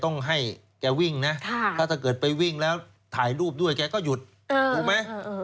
ต้องให้แกวิ่งนะถ้าเกิดไปวิ่งแล้วถ่ายรูปด้วยแกก็หยุดถูกไหม